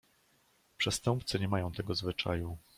"Przestępcy nie mają tego zwyczaju."